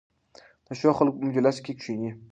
د ښو خلکو په مجلس کې کښېنئ.